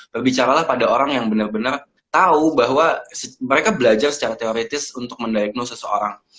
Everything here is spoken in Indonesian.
berbicaralah pada orang yang benar benar tahu bahwa mereka belajar secara teoritis untuk mendiagnose seseorang